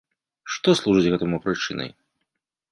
Што служыць гэтаму прычынай?